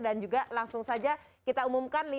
dan juga langsung saja kita umumkan